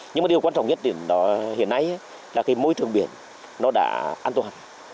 nhưng điều quan trọng nhất hiện nay là môi trường biển đã an toàn